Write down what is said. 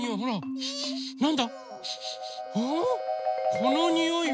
このにおいは。